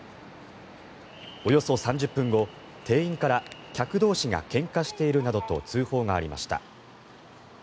およそ３０分後、店員から客同士がけんかしているなどと通報がありました。